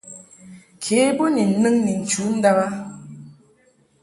Ke bo ni nɨŋ ni chu ndàb a.